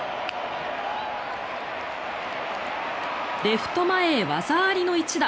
レフト前へ技ありの一打。